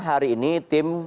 hari ini tim